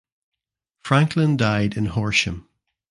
Franklin died in Horsham.